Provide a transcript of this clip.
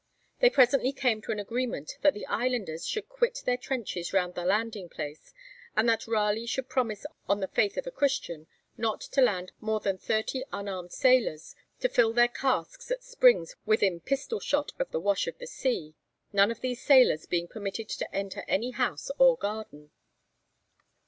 They presently came to an agreement that the islanders should quit their trenches round the landing place, and that Raleigh should promise on the faith of a Christian not to land more than thirty unarmed sailors, to fill their casks at springs within pistol shot of the wash of the sea, none of these sailors being permitted to enter any house or garden.